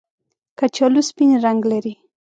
کچالو سپین رنګ لري